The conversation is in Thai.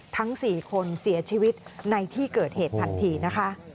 ทั้ง๔คนเสียชีวิตในที่เกิดเหตุทันทีนะคะ